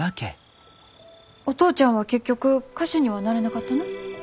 お父ちゃんは結局歌手にはなれなかったの？